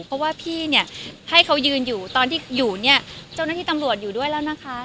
เพราะว่าพี่เนี่ยให้เขายืนอยู่ตอนที่อยู่เนี่ยเจ้าหน้าที่ตำรวจอยู่ด้วยแล้วนะคะ